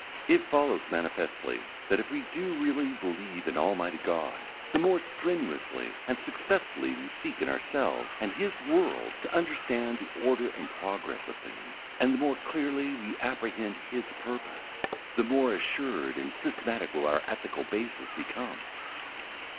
It follows manifestly that if we do really believe in Almighty God, the more strenuously and successfully we seek in ourselves and His world to understand the order and progress of things, and the more clearly we apprehend His purpose, the more assured and systematic will our ethical basis become.